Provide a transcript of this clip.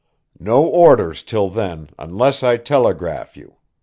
No orders till then unless I telegraph you.